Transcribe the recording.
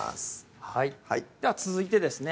はいでは続いてですね